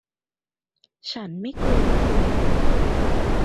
ฉันไม่กลัวคุณ